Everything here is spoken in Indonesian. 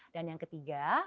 dan yang ketiga